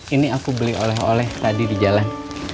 ini aku beli oleh oleh tadi di jalan